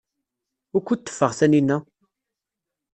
Wukud teffeɣ Taninna?